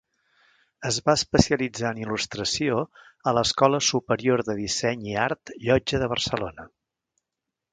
Es va especialitzar en il·lustració a l’Escola Superior de Disseny i Art Llotja de Barcelona.